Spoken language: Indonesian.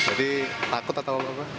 jadi takut atau apa